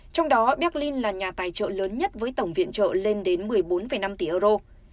trong đó berlin là nhà tài trợ lớn nhất với tổng viện trợ lên đến một mươi bốn năm tỷ euro